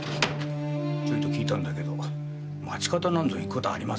ちょいと聞いたけど町方に行くことはありませんよ。